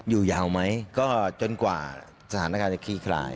อยู่ยาวไหมก็จนกว่าสถานการณ์จะคลี่คลาย